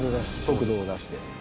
速度を出して。